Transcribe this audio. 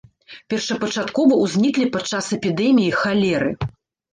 Першапачаткова ўзніклі падчас эпідэміі халеры.